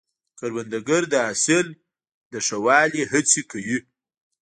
کروندګر د حاصل په ښه والي هڅې کوي